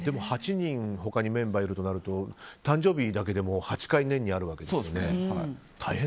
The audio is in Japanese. でも８人他にメンバーがいるとなると誕生日だけでも年に８回あるわけですよね。